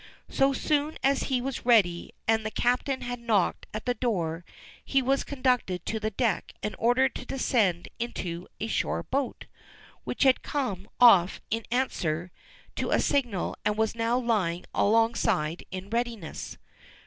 So soon as he was ready, and the captain had knocked at the door, he was conducted to the deck and ordered to descend into a shore boat, which had come off in answer to a signal and was now lying alongside in readiness.